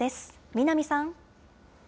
南さん。